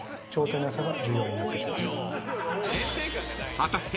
［果たして］